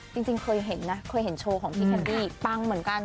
จริงเคยเห็นนะเคยเห็นโชว์ของพี่แคนดี้ปังเหมือนกัน